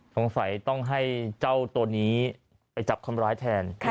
สงสัยต้องให้เจ้าตัวนี้ไปจับคนร้ายแทน